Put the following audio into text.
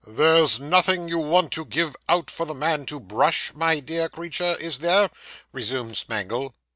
'There's nothing you want to give out for the man to brush, my dear creature, is there?' resumed Smangle.